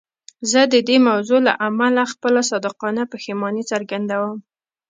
زه د دې موضوع له امله خپله صادقانه پښیماني څرګندوم.